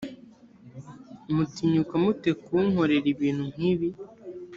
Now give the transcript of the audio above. mutinyuka mute kunkorera ibintu nkibi.